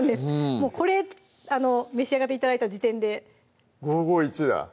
もうこれ召し上がって頂いた時点で５５１だ！